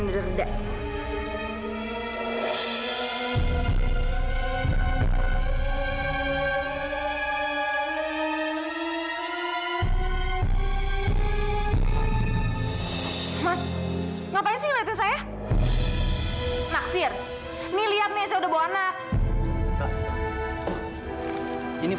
terus kenapa taufan